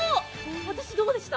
私どうでした？